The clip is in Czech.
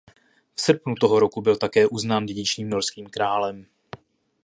V srpnu toho roku byl také uznán dědičným norským králem.